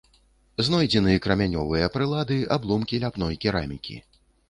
Знойдзены крамянёвыя прылады, абломкі ляпной керамікі.